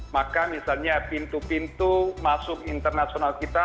maka misalnya pintu pintu masuk internasional kita